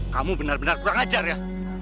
kamu benar benar kurang ajar ya